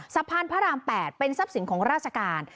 สะพานพระราม๘เป็นทรัพย์สินของราชการ